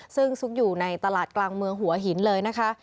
ซึ่งซุกอยู่ในตลาดกลางเมืองหัวหินเลยนะคะ